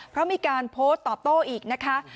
เพราะมีการโพสต์ตอบโต้อีกนะคะ